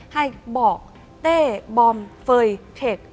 ให้บอกเต้บอมเฟย์เทค